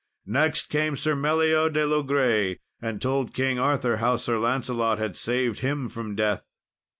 Next came Sir Meliot de Logres, and told King Arthur how Sir Lancelot had saved him from death.